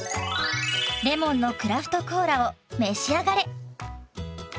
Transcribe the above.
レモンのクラフトコーラを召し上がれ。